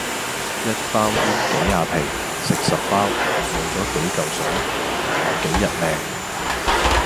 一包煙幾廿皮，食十包，冇左幾舊水，唔短幾日命?